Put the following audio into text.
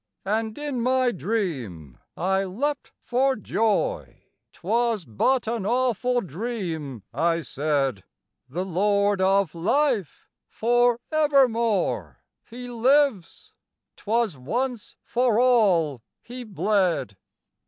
And in my dream I leapt for joy "'Twas but an awful dream," I said, "The Lord of Life, for evermore He lives 'twas once for all He bled!"